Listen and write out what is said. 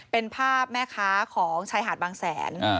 เป็นภาพแม่ค้าของชายหาดบางแสน